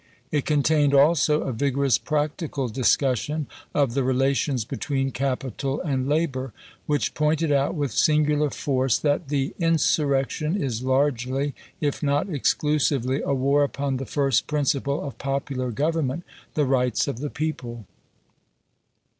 It contained also a vigorous practical discussion of the relations be tween capital and labor, which pointed out with singular force that "the insurrection is largely, if not exclusively, a war upon the first principle of popular government — the rights of the people."